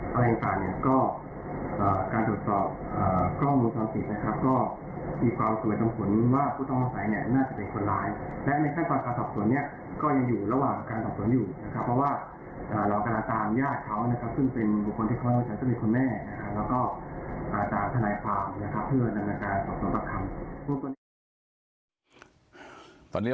จากยาฐานที่ต่างที่จะเห็นว่าเป็นของการหรืออะไรต่างเนี่ย